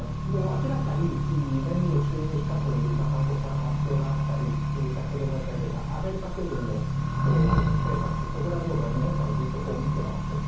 明らかに燃料注入したという韓国からの発表があったり先ほど申し上げたアメリカ空軍の偵察機がコブラボールがずっと日本を見て回っている。